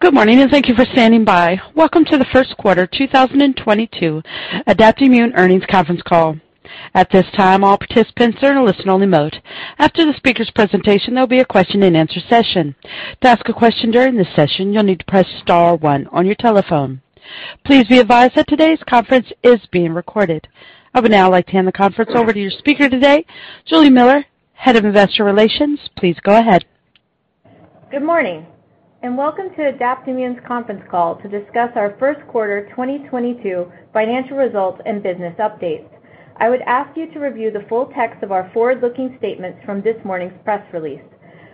Good morning, and thank you for standing by. Welcome to the First Quarter 2022 Adaptimmune Earnings Conference Call. At this time, all participants are in a listen only mode. After the speaker's presentation, there'll be a question and answer session. To ask a question during this session, you'll need to press star one on your telephone. Please be advised that today's conference is being recorded. I would now like to hand the conference over to your speaker today, Juli Miller, Head of Investor Relations. Please go ahead. Good morning, and welcome to Adaptimmune's conference call to discuss our first quarter 2022 financial results and business updates. I would ask you to review the full text of our forward-looking statements from this morning's press release.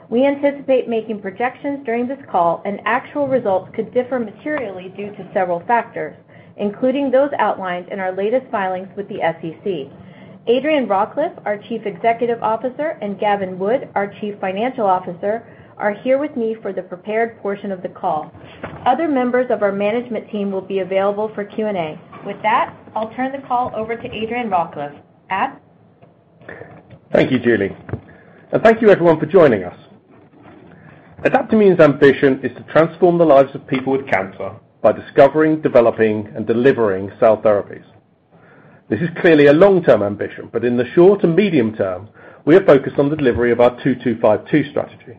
We anticipate making projections during this call, and actual results could differ materially due to several factors, including those outlined in our latest filings with the SEC. Adrian Rawcliffe, our Chief Executive Officer, and Gavin Wood, our Chief Financial Officer, are here with me for the prepared portion of the call. Other members of our management team will be available for Q&A. With that, I'll turn the call over to Adrian Rawcliffe. Thank you, Juli. Thank you everyone for joining us. Adaptimmune's ambition is to transform the lives of people with cancer by discovering, developing, and delivering cell therapies. This is clearly a long-term ambition, but in the short and medium term, we are focused on the delivery of our 2-2-5-2 strategy.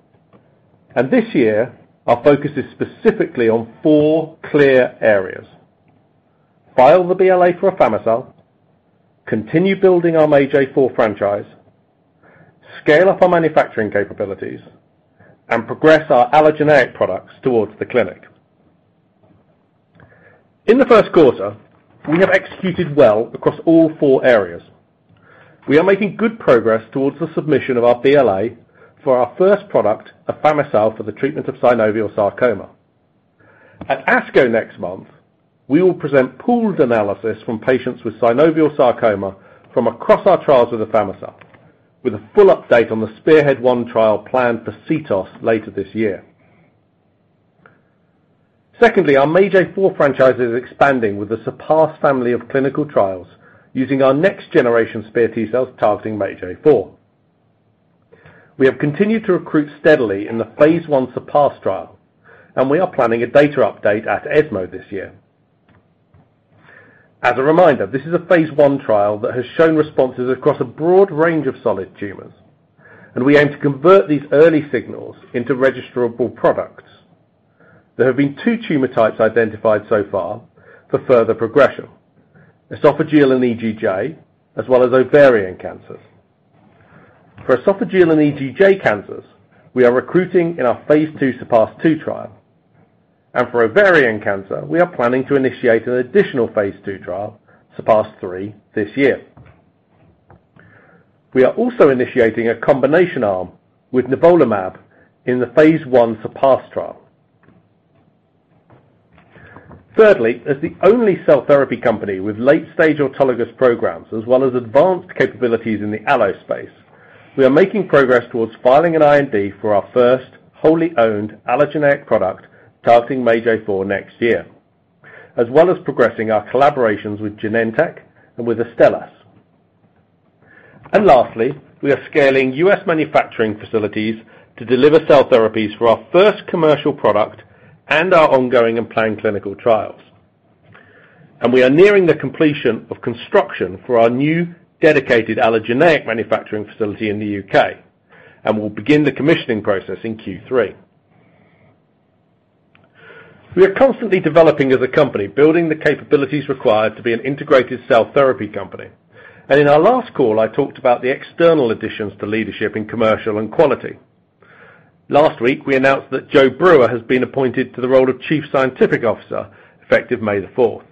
This year, our focus is specifically on four clear areas. File the BLA for afami-cel, continue building our MAGE-A4 franchise, scale up our manufacturing capabilities and progress our allogeneic products towards the clinic. In the first quarter, we have executed well across all four areas. We are making good progress towards the submission of our BLA for our first product, afami-cel, for the treatment of synovial sarcoma. At ASCO next month, we will present pooled analysis from patients with synovial sarcoma from across our trials with afami-cel, with a full update on the SPEARHEAD-1 trial planned for CTOS later this year. Secondly, our MAGE-A4 franchise is expanding with the SURPASS family of clinical trials using our next generation SPEAR T-cells targeting MAGE-A4. We have continued to recruit steadily in the phase 1 SURPASS trial, and we are planning a data update at ESMO this year. As a reminder, this is a phase 1 trial that has shown responses across a broad range of solid tumors, and we aim to convert these early signals into registerable products. There have been two tumor types identified so far for further progression, esophageal and EGJ, as well as ovarian cancers. For esophageal and EGJ cancers, we are recruiting in our phase 2 SURPASS-2 trial. For ovarian cancer, we are planning to initiate an additional phase 2 trial, SURPASS-3, this year. We are also initiating a combination arm with nivolumab in the phase 1 SURPASS trial. Thirdly, as the only cell therapy company with late-stage autologous programs as well as advanced capabilities in the allo space, we are making progress towards filing an IND for our first wholly owned allogeneic product targeting MAGE-A4 next year, as well as progressing our collaborations with Genentech and with Astellas. Lastly, we are scaling U.S. manufacturing facilities to deliver cell therapies for our first commercial product and our ongoing and planned clinical trials. We are nearing the completion of construction for our new dedicated allogeneic manufacturing facility in the U.K., and we'll begin the commissioning process in Q3. We are constantly developing as a company, building the capabilities required to be an integrated cell therapy company. In our last call, I talked about the external additions to leadership in commercial and quality. Last week, we announced that Jo Brewer has been appointed to the role of Chief Scientific Officer, effective May 4.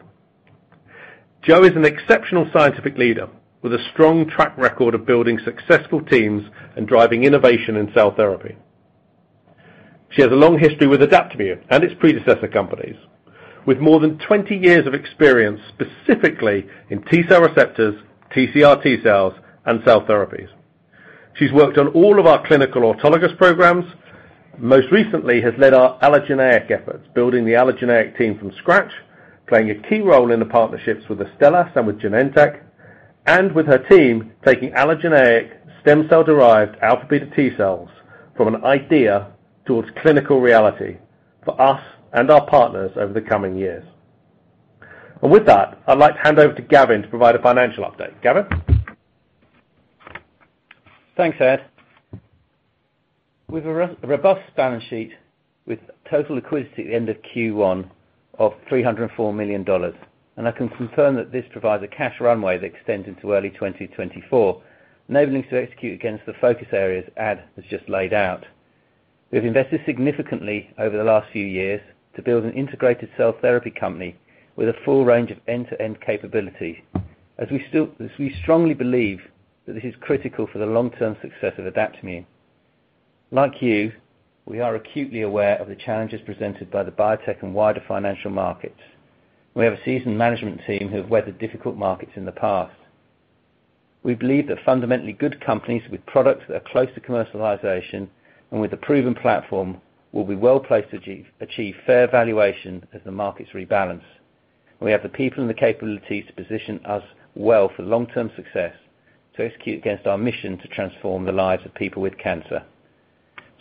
Jo is an exceptional scientific leader with a strong track record of building successful teams and driving innovation in cell therapy. She has a long history with Adaptimmune and its predecessor companies, with more than 20 years of experience, specifically in T-cell receptors, TCR-T cells, and cell therapies. She's worked on all of our clinical autologous programs, most recently has led our allogeneic efforts, building the allogeneic team from scratch, playing a key role in the partnerships with Astellas and with Genentech, and with her team, taking allogeneic stem cell-derived alpha beta T-cells from an idea towards clinical reality for us and our partners over the coming years. With that, I'd like to hand over to Gavin to provide a financial update. Gavin? Thanks, Adrian. With a robust balance sheet with total liquidity at the end of Q1 of $304 million, and I can confirm that this provides a cash runway that extends into early 2024, enabling us to execute against the focus areas Adrian has just laid out. We've invested significantly over the last few years to build an integrated cell therapy company with a full range of end-to-end capability. As we strongly believe that this is critical for the long-term success of Adaptimmune. Like you, we are acutely aware of the challenges presented by the biotech and wider financial markets. We have a seasoned management team who have weathered difficult markets in the past. We believe that fundamentally good companies with products that are close to commercialization and with a proven platform will be well-placed to achieve fair valuation as the markets rebalance. We have the people and the capabilities to position us well for long-term success to execute against our mission to transform the lives of people with cancer.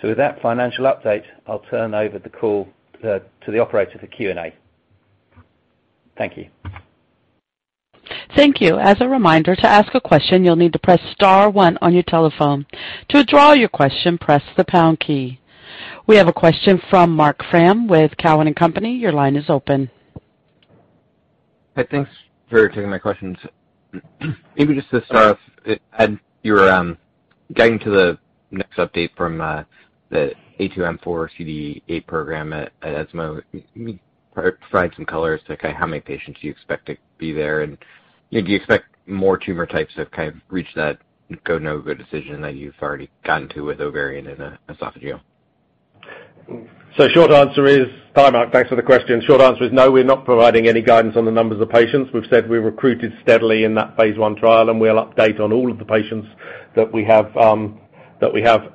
With that financial update, I'll turn over the call to the operator for Q&A. Thank you. Thank you. As a reminder, to ask a question, you'll need to press star one on your telephone. To withdraw your question, press the pound key. We have a question from Marc Frahm with Cowen and Company. Your line is open. Hi. Thanks for taking my questions. Maybe just to start off, getting to the next update from the ADP-A2M4CD8 program at ESMO. Can you provide some color as to kind of how many patients do you expect to be there, and do you expect more tumor types to kind of reach that go/no go decision that you've already gotten to with ovarian and esophageal? Short answer is... Hi, Marc Frahm. Thanks for the question. Short answer is no, we're not providing any guidance on the numbers of patients. We've said we recruited steadily in that phase I trial, and we'll update on all of the patients that we have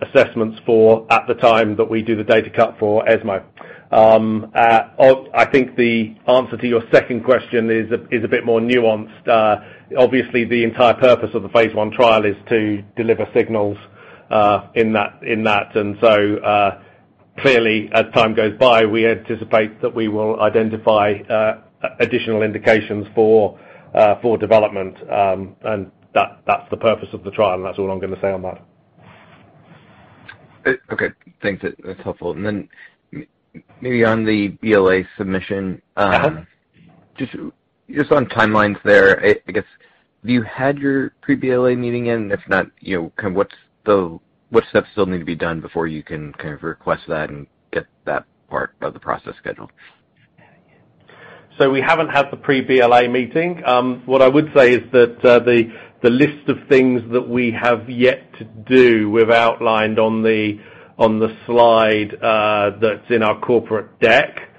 assessments for at the time that we do the data cut for ESMO. I think the answer to your second question is a bit more nuanced. Obviously, the entire purpose of the phase I trial is to deliver signals in that. Clearly, as time goes by, we anticipate that we will identify additional indications for development. That that's the purpose of the trial, and that's all I'm gonna say on that. Okay. Thanks. That's helpful. Maybe on the BLA submission? Just on timelines there, I guess, have you had your pre-BLA meeting in? If not, you know, kind of what steps still need to be done before you can kind of request that and get that part of the process scheduled? We haven't had the pre-BLA meeting. What I would say is that the list of things that we have yet to do, we've outlined on the slide that's in our corporate deck.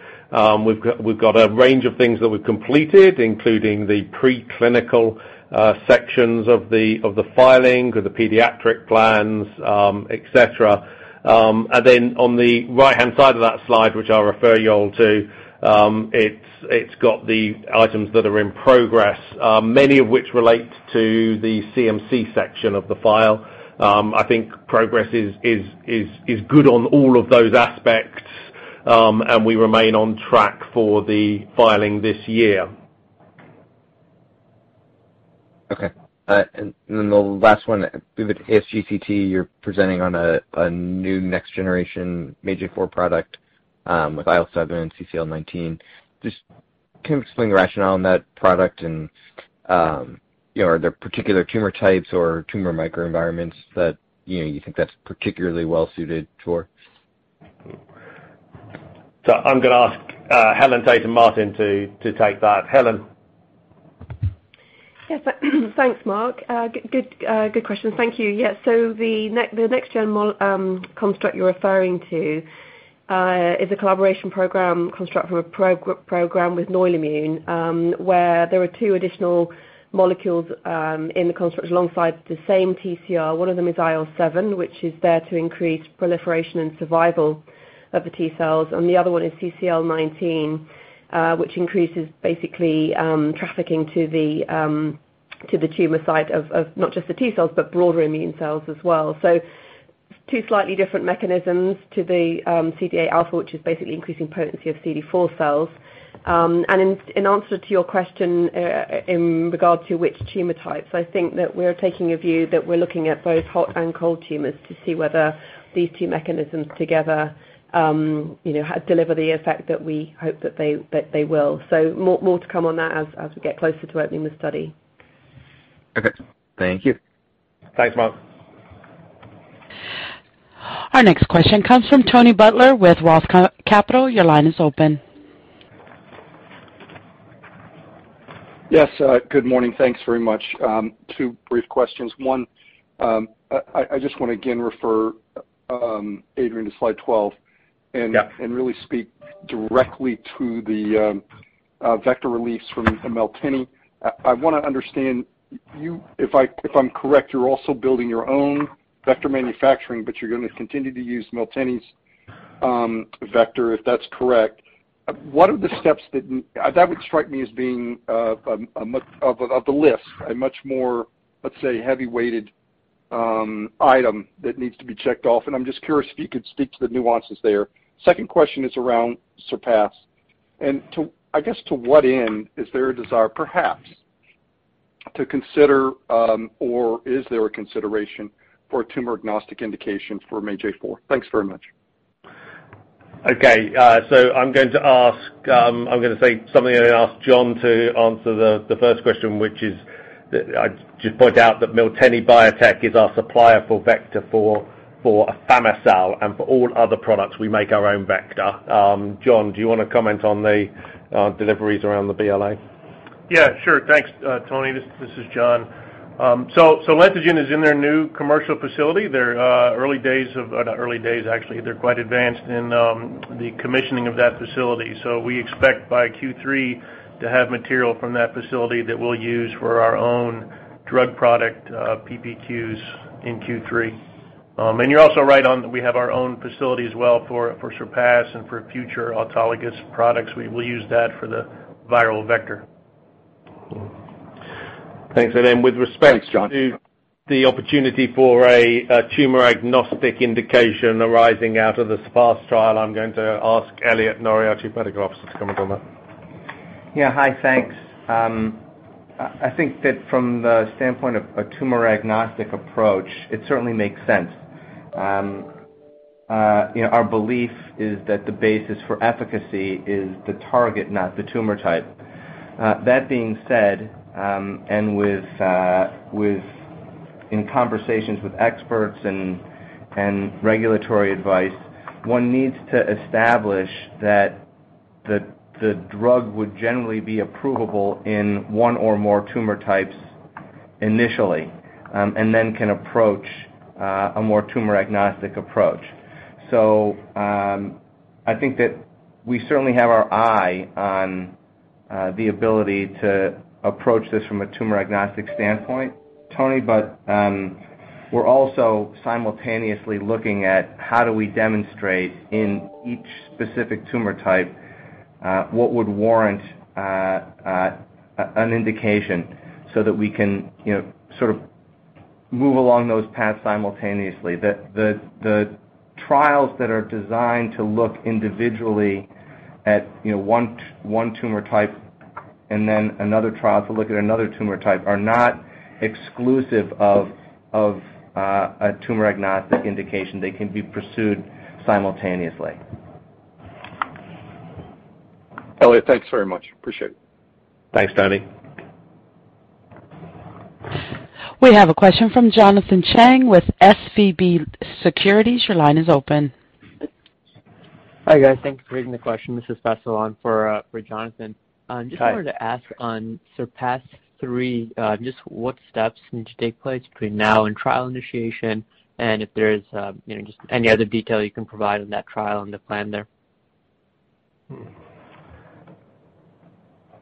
We've got a range of things that we've completed, including the preclinical sections of the filing, the pediatric plans, et cetera. Then on the right-hand side of that slide, which I'll refer you all to, it's got the items that are in progress, many of which relate to the CMC section of the file. I think progress is good on all of those aspects, and we remain on track for the filing this year. Okay. The last one, with ASGCT, you're presenting on a new next-generation MAGE-A4 product, with IL-7 and CCL19. Just can you explain the rationale on that product? You know, are there particular tumor types or tumor microenvironments that you know, you think that's particularly well suited for? I'm gonna ask Helen Tayton-Martin to take that. Helen. Yes. Thanks, Marc. Good question. Thank you. Yes. The next-gen construct you're referring to is a collaboration program construct from a program with Noile-Immune, where there are two additional molecules in the construct alongside the same TCR. One of them is IL-7, which is there to increase proliferation and survival of the T cells, and the other one is CCL19, which increases basically trafficking to the tumor site of not just the T cells, but broader immune cells as well. Two slightly different mechanisms to the CD8α, which is basically increasing potency of CD4 cells. In answer to your question, in regard to which tumor types, I think that we're taking a view that we're looking at both hot and cold tumors to see whether these two mechanisms together, you know, deliver the effect that we hope that they will. More to come on that as we get closer to opening the study. Okay. Thank you. Thanks, Marc Frahm. Our next question comes from Tony Butler with ROTH Capital. Your line is open. Yes. Good morning. Thanks very much. Two brief questions. One, I just wanna again refer Adrian to slide 12- Yeah. Really speak directly to the vector release from Miltenyi. I wanna understand if I'm correct, you're also building your own vector manufacturing, but you're gonna continue to use Miltenyi's vector if that's correct. What are the steps that would strike me as being a much more, let's say, heavy-weighted item that needs to be checked off. I'm just curious if you could speak to the nuances there. Second question is around SURPASS. To what end is there a desire perhaps to consider, or is there a consideration for a tumor-agnostic indication for MAGE-A4? Thanks very much. Okay. I'm going to ask John to answer the first question, which is, I'd just point out that Miltenyi Biotec is our supplier for vector for afami-cel, and for all other products, we make our own vector. John, do you wanna comment on the deliveries around the BLA? Yeah, sure. Thanks, Tony. This is John. Miltenyi is in their new commercial facility. They're not early days, actually. They're quite advanced in the commissioning of that facility. We expect by Q3 to have material from that facility that we'll use for our own drug product PPQs in Q3. You're also right on that we have our own facility as well for SURPASS and for future autologous products. We will use that for the viral vector. Thanks. With respect Thanks, John. To the opportunity for a tumor-agnostic indication arising out of the SURPASS trial, I'm going to ask Elliot Norry, Chief Medical Officer, to comment on that. Yeah. Hi. Thanks. I think that from the standpoint of a tumor-agnostic approach, it certainly makes sense. You know, our belief is that the basis for efficacy is the target, not the tumor type. That being said, in conversations with experts and regulatory advice, one needs to establish that the drug would generally be approvable in one or more tumor types initially, and then can approach a more tumor-agnostic approach. I think that we certainly have our eye on the ability to approach this from a tumor-agnostic standpoint, Tony, but we're also simultaneously looking at how do we demonstrate in each specific tumor type what would warrant an indication so that we can, you know, sort of move along those paths simultaneously. The trials that are designed to look individually at, you know, one tumor type and then another trial to look at another tumor type are not exclusive of a tumor-agnostic indication. They can be pursued simultaneously. Elliot, thanks very much. Appreciate it. Thanks, Tony. We have a question from Jonathan Chang with SVB Securities. Your line is open. Hi, guys. Thanks for taking the question. This is Yanan on for Jonathan Chang. Hi. I just wanted to ask on SURPASS-3, just what steps need to take place between now and trial initiation, and if there's, you know, just any other detail you can provide on that trial and the plan there.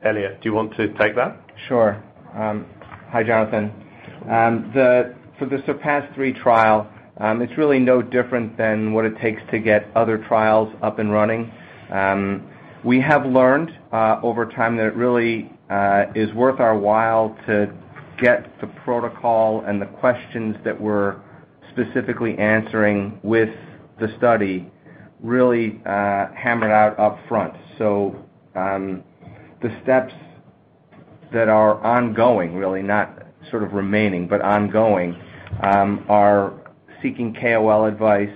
Elliot, do you want to take that? Sure. Hi, Uncertain. For the SURPASS-3 trial, it's really no different than what it takes to get other trials up and running. We have learned over time that it really is worth our while to get the protocol and the questions that we're specifically answering with the study really hammered out upfront. The steps that are ongoing really, not sort of remaining, but ongoing, are seeking KOL advice,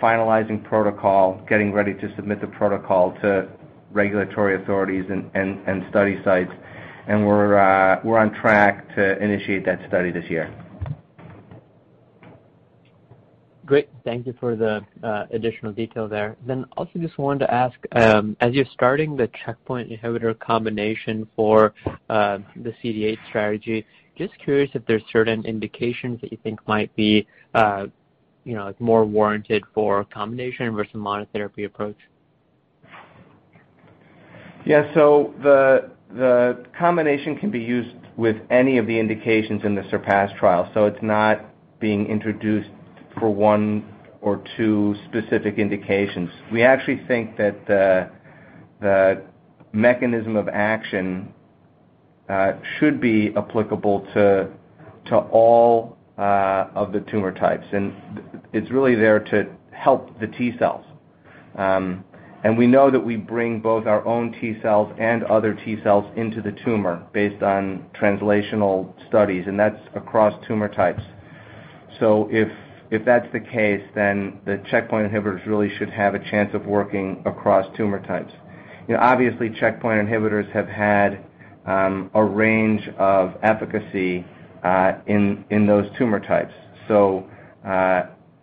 finalizing protocol, getting ready to submit the protocol to regulatory authorities and study sites. We're on track to initiate that study this year. Great. Thank you for the additional detail there. Also just wanted to ask, as you're starting the checkpoint inhibitor combination for the CD8 strategy, just curious if there's certain indications that you think might be, you know, more warranted for a combination versus monotherapy approach? Yeah. The combination can be used with any of the indications in the SURPASS trial, so it's not being introduced for one or two specific indications. We actually think that the mechanism of action should be applicable to all of the tumor types, and it's really there to help the T cells. And we know that we bring both our own T cells and other T cells into the tumor based on translational studies, and that's across tumor types. If that's the case, then the checkpoint inhibitors really should have a chance of working across tumor types. You know, obviously, checkpoint inhibitors have had a range of efficacy in those tumor types.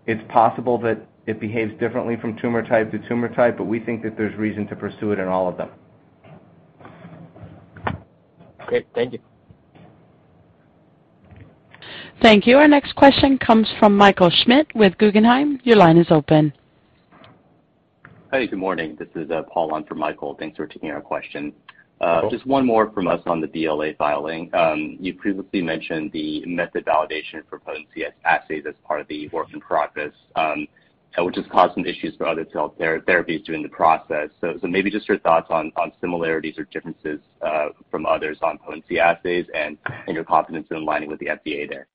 It's possible that it behaves differently from tumor type to tumor type, but we think that there's reason to pursue it in all of them. Great. Thank you. Thank you. Our next question comes from Michael Schmidt with Guggenheim. Your line is open. Hi, good morning. This is Paul on for Michael. Thanks for taking our question. Sure. Just one more from us on the BLA filing. You previously mentioned the method validation for potency assays as part of the work in progress, which has caused some issues for other cell therapies during the process. Maybe just your thoughts on similarities or differences from others on potency assays and your confidence in aligning with the FDA there.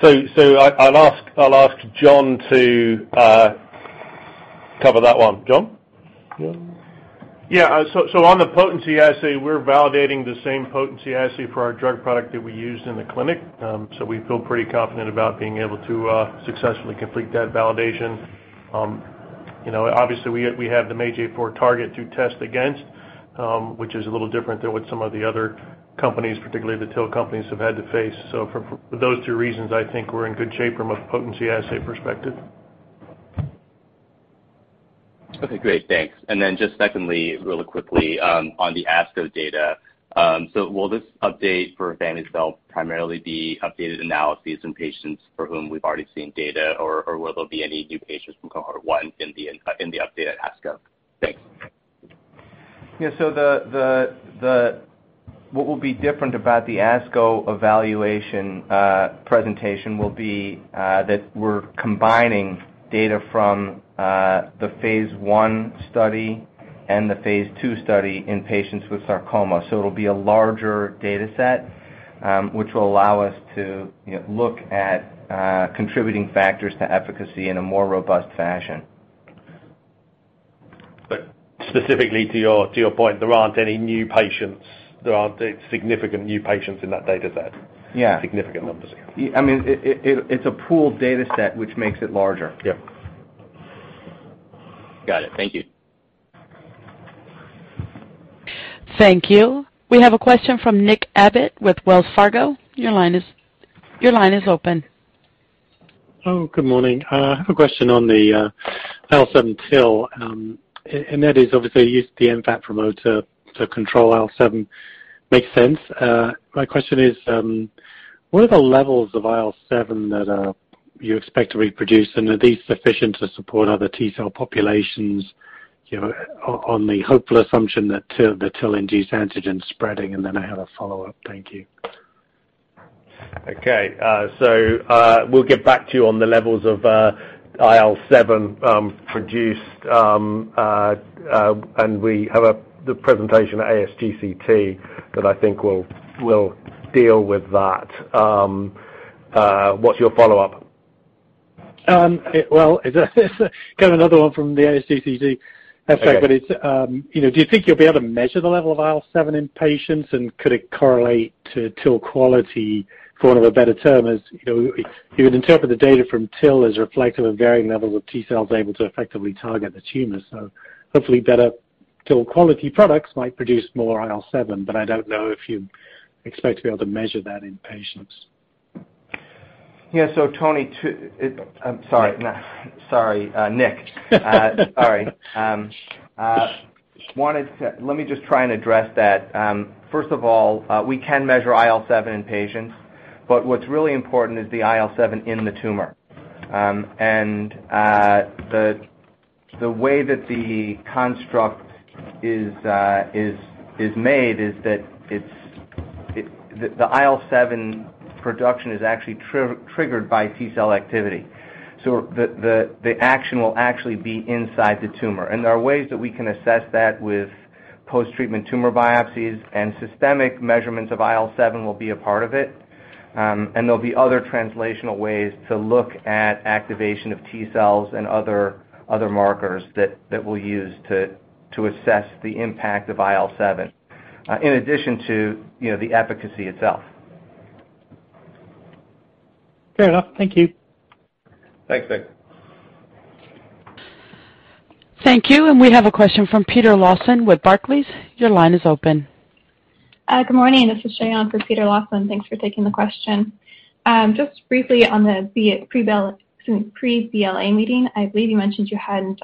I'll ask John to cover that one. John? Yeah. Yeah. On the potency assay, we're validating the same potency assay for our drug product that we used in the clinic. We feel pretty confident about being able to successfully complete that validation. You know, obviously, we have the MAGE-A4 target to test against, which is a little different than what some of the other companies, particularly the TIL companies, have had to face. For those two reasons, I think we're in good shape from a potency assay perspective. Okay, great. Thanks. Then just secondly, really quickly, on the ASCO data, will this update for lete-cel primarily be updated analyses in patients for whom we've already seen data, or will there be any new patients from cohort one in the update at ASCO? Thanks. What will be different about the ASCO evaluation presentation will be that we're combining data from the phase 1 study and the phase 2 study in patients with sarcoma. It'll be a larger data set, which will allow us to, you know, look at contributing factors to efficacy in a more robust fashion. Specifically to your point, there aren't any new patients. There aren't significant new patients in that data set. Yeah significant numbers. I mean, it's a pooled data set which makes it larger. Yeah. Got it. Thank you. Thank you. We have a question from Nick Abbott with Wells Fargo. Your line is open. Oh, good morning. I have a question on the IL-7 TIL, and that is obviously use the NFAT promoter to control IL-7. Makes sense. My question is, what are the levels of IL-7 that you expect to reproduce? And are these sufficient to support other T-cell populations, you know, on the hopeful assumption that TIL induced antigen spreading? And then I have a follow-up. Thank you. Okay. We'll get back to you on the levels of IL-7 produced, and we have the presentation at ASGCT that I think will deal with that. What's your follow-up? Got another one from the ASGCT. Okay. it's, you know, do you think you'll be able to measure the level of IL-7 in patients, and could it correlate to TIL quality for want of a better term, as you know, you would interpret the data from TIL as reflective of varying levels of T cells able to effectively target the tumor. Hopefully better TIL quality products might produce more IL-7, but I don't know if you expect to be able to measure that in patients. Yeah. Sorry, Nick. Sorry. Let me just try and address that. First of all, we can measure IL-7 in patients, but what's really important is the IL-7 in the tumor. The way that the construct is made is that the IL-7 production is actually triggered by T-cell activity. The action will actually be inside the tumor. There are ways that we can assess that with post-treatment tumor biopsies, and systemic measurements of IL-7 will be a part of it. There'll be other translational ways to look at activation of T cells and other markers that we'll use to assess the impact of IL-7 in addition to, you know, the efficacy itself. Fair enough. Thank you. Thanks, Nick. Thank you. We have a question from Peter Lawson with Barclays. Your line is open. Good morning. This is Shay on for Peter Lawson. Thanks for taking the question. Just briefly on the pre-BLA meeting, I believe you mentioned you hadn't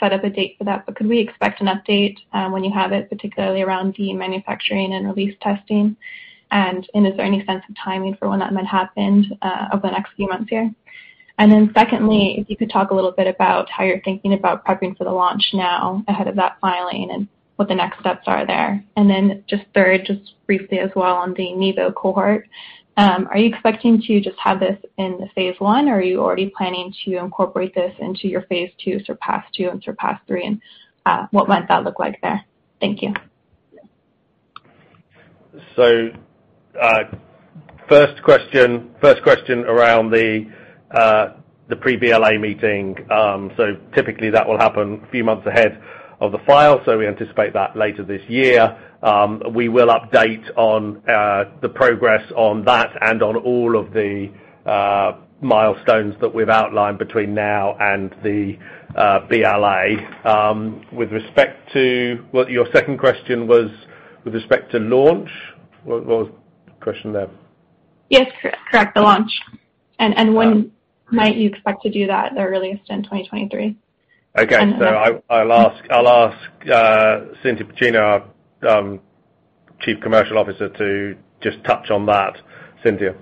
set up a date for that, but could we expect an update when you have it, particularly around the manufacturing and release testing? Is there any sense of timing for when that might happen over the next few months here? Secondly, if you could talk a little bit about how you're thinking about prepping for the launch now ahead of that filing and what the next steps are there. Third, just briefly as well on the NIVO cohort, are you expecting to just have this in the phase 1, or are you already planning to incorporate this into your phase 2, SURPASS-2 and SURPASS-3? What might that look like there? Thank you. First question around the pre-BLA meeting. Typically that will happen a few months ahead of the file. We anticipate that later this year. We will update on the progress on that and on all of the milestones that we've outlined between now and the BLA. With respect to what your second question was with respect to launch, what was the question there? Yes. Correct. The launch. When might you expect to do that, or at least in 2023? Okay. I'll ask Cintia Piccina, Chief Commercial Officer, to just touch on that. Cynthia.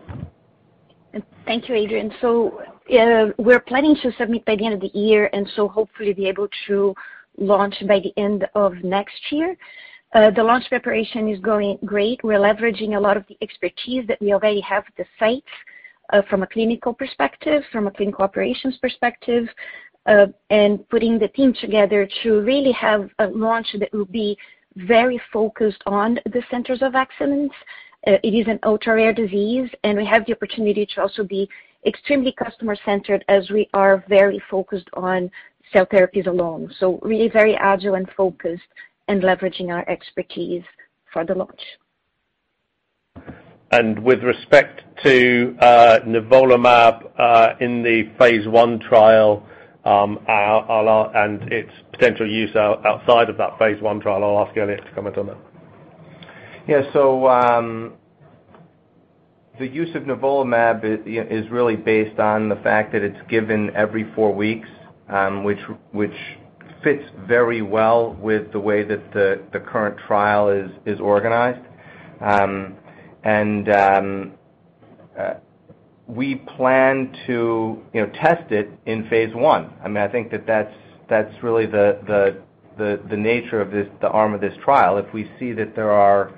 Thank you, Adrian. We're planning to submit by the end of the year and so hopefully be able to launch by the end of next year. The launch preparation is going great. We're leveraging a lot of the expertise that we already have at the sites, from a clinical perspective, from a clinical operations perspective, and putting the team together to really have a launch that will be very focused on the centers of excellence. It is an ultra-rare disease, and we have the opportunity to also be extremely customer-centered as we are very focused on cell therapies alone. Really very agile and focused in leveraging our expertise for the launch. With respect to nivolumab in the phase 1 trial and its potential use outside of that phase 1 trial, I'll ask Elliot to comment on that. Yeah. The use of nivolumab is really based on the fact that it's given every four weeks, which fits very well with the way that the current trial is organized. We plan to, you know, test it in phase 1. I mean, I think that that's really the nature of this, the arm of this trial. If we see that there are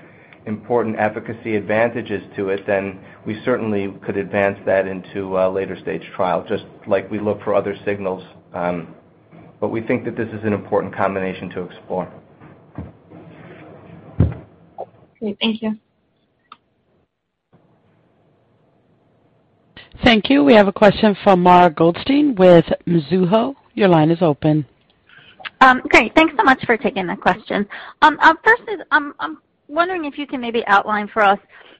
important efficacy advantages to it, then we certainly could advance that into a later stage trial, just like we look for other signals. We think that this is an important combination to explore. Great. Thank you. Thank you. We have a question from Mara Goldstein with Mizuho. Your line is open. Great. Thanks so much for taking the question. Up first is I'm wondering if you can maybe outline for us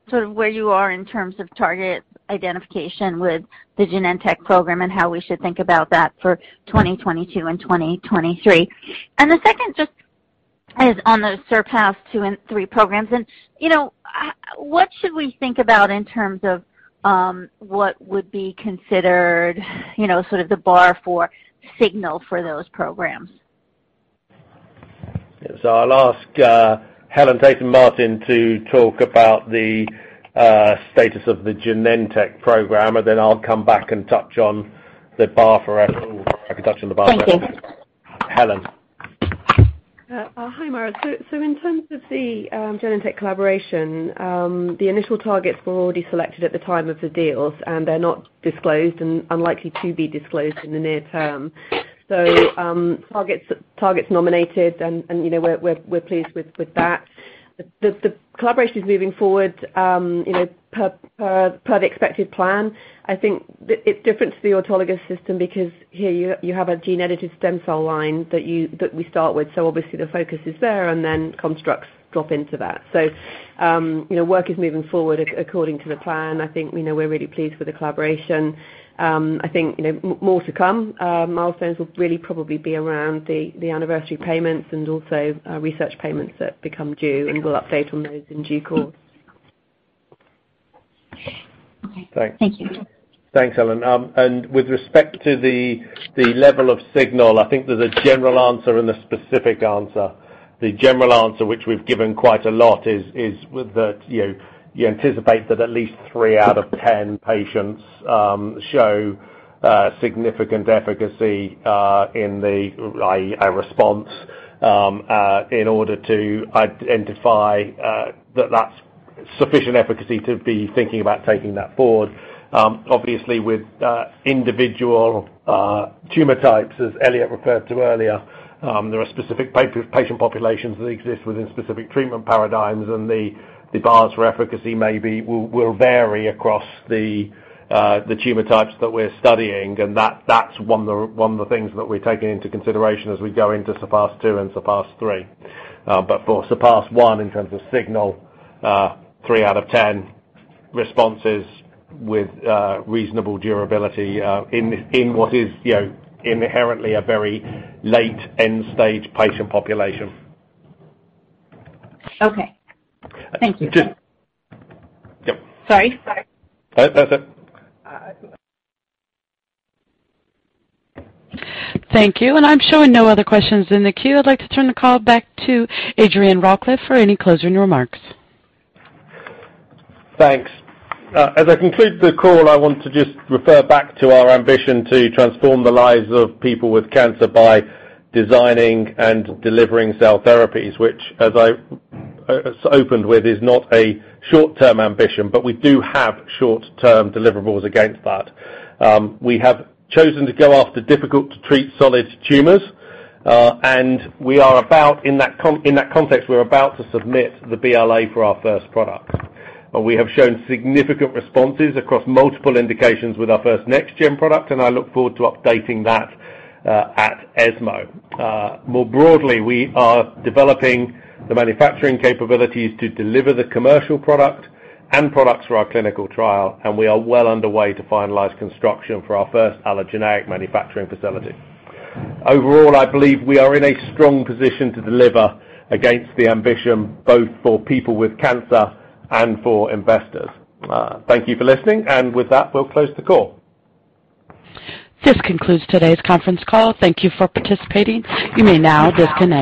sort of where you are in terms of target identification with the Genentech program and how we should think about that for 2022 and 2023. The second just is on the SURPASS-2 and SURPASS-3 programs. You know, what should we think about in terms of what would be considered you know sort of the bar for signal for those programs? I'll ask Helen Tayton-Martin to talk about the status of the Genentech program, and then I'll come back and touch on the bar for our- Thank you. Helen. Hi, Mara. In terms of the Genentech collaboration, the initial targets were already selected at the time of the deals, and they're not disclosed and unlikely to be disclosed in the near term. Targets nominated and, you know, we're pleased with that. The collaboration is moving forward, you know, per the expected plan. I think it's different to the autologous system because here you have a gene-edited stem cell line that we start with. Obviously the focus is there and then constructs drop into that. You know, work is moving forward according to the plan. I think, you know, we're really pleased with the collaboration. I think, you know, more to come. Milestones will really probably be around the anniversary payments and also research payments that become due, and we'll update on those in due course. Okay. Thank you. Thanks, Helen. With respect to the level of signal, I think there's a general answer and a specific answer. The general answer, which we've given quite a lot, is you anticipate that at least three out of ten patients show significant efficacy in the IA response in order to identify that that's sufficient efficacy to be thinking about taking that forward. Obviously with individual tumor types, as Elliot referred to earlier, there are specific patient populations that exist within specific treatment paradigms, and the bars for efficacy maybe will vary across the tumor types that we're studying. That that's one of the things that we're taking into consideration as we go into SURPASS-2 and SURPASS-3. For SURPASS-1 in terms of signal, three out of 10 responses with reasonable durability in what is, you know, inherently a very late end stage patient population. Okay. Thank you. Just- Sorry. No. That's it. Thank you. I'm showing no other questions in the queue. I'd like to turn the call back to Adrian Rawcliffe for any closing remarks. Thanks. As I conclude the call, I want to just refer back to our ambition to transform the lives of people with cancer by designing and delivering cell therapies, which as I opened with, is not a short-term ambition, but we do have short-term deliverables against that. We have chosen to go after difficult to treat solid tumors, and in that context, we are about to submit the BLA for our first product. We have shown significant responses across multiple indications with our first next gen product, and I look forward to updating that at ESMO. More broadly, we are developing the manufacturing capabilities to deliver the commercial product and products for our clinical trial, and we are well underway to finalize construction for our first allogeneic manufacturing facility. Overall, I believe we are in a strong position to deliver against the ambition, both for people with cancer and for investors. Thank you for listening. With that, we'll close the call. This concludes today's conference call. Thank you for participating. You may now disconnect.